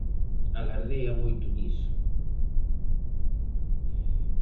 Alardea moito diso.